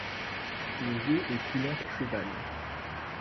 Le jeu est plus lent qu'à cheval.